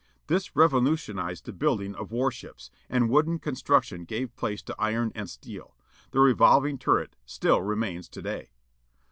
This revolutionized the building of warships, and wooden construction gave place to iron and steel. The revolving tiuret still remains today.